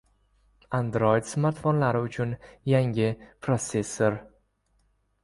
Android smartfonlari uchun yangi prosessor